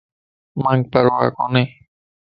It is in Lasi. مانک پرواه ڪوني